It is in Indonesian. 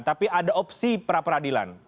tapi ada opsi pra peradilan